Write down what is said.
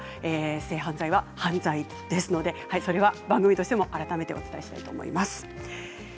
性犯罪は犯罪ですのでそれは番組としても、改めてお伝えしたいと思います。